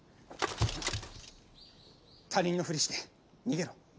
他人のふりして逃げろ。